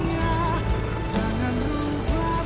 saya tidak mau ken